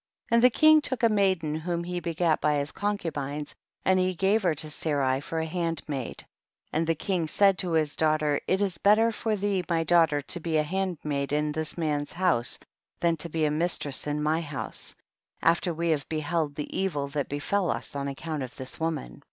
31. And the king took a maiden whom he begat by his concubines, and he gave her to Sarai for a hand maid. 32. And the king said to iiis daugh ter, it is better for thee my daughter to be a handmaid in this man's house than to be a mistress in my house, after we have beheld the evil that befel us on account of this woman.